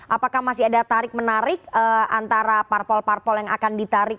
apakah masih ada tarik menarik antara parpol parpol yang akan ditarik